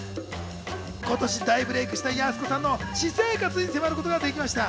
今年大ブレイクしたやす子さんの私生活に迫ることができました。